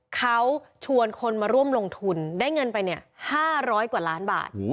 เขาชวนคนมาร่วมลงทุนได้เงินไป๕๐๐กว่าล้านบาท